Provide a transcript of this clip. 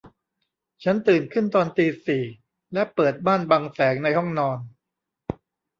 ฉันตื่นขึ้นตอนตีสี่และเปิดม่านบังแสงในห้องนอน